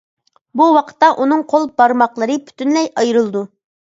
بۇ ۋاقىتتا ئۇنىڭ قول بارماقلىرى پۈتۈنلەي ئايرىلىدۇ.